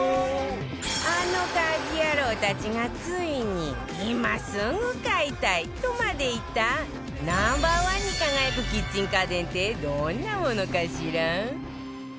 あの家事ヤロウたちがついに今すぐ買いたいとまで言った Ｎｏ．１ に輝くキッチン家電ってどんなものかしら？